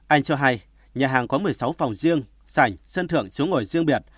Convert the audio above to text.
anh cho hay nhà hàng có một mươi sáu phòng riêng sảnh sân thượng chỗ ngồi riêng biệt